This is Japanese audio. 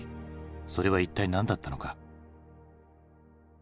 それは一体何だったのか？